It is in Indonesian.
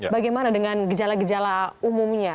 bagaimana dengan gejala gejala umumnya